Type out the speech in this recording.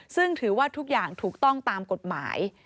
ซึ่งถือว่าทุกอย่างถูกต้องตามกฎหมาย